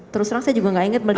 terus terang saya juga gak inget